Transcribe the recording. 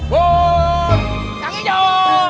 bor yang hijau